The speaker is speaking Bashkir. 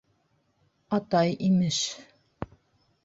Атай, имеш...